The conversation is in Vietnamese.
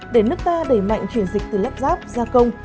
để nước ta đẩy mạnh chuyển dịch từ lắp ráp gia công